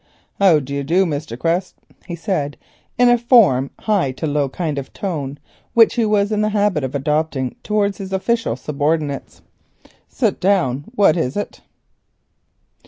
"How do you do, Quest?" he said, in a from high to low tone, which he was in the habit of adopting towards his official subordinates. "Sit down. What is it?"